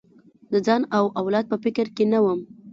د ځان او اولاد په فکر کې نه وم.